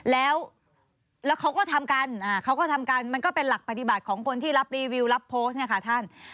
แล้วเขาก็ทำกันมันก็เป็นหลักปฏิบัติของคนที่รับรีวิวรับโพสต์